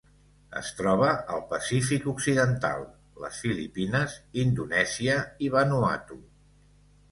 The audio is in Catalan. Es troba al Pacífic occidental: les Filipines, Indonèsia i Vanuatu.